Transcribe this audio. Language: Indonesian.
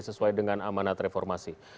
sesuai dengan amanat reformasi